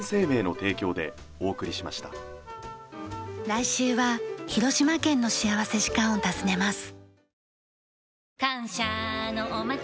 来週は広島県の幸福時間を訪ねます。